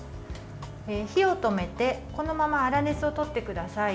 火を止めてこのまま粗熱をとってください。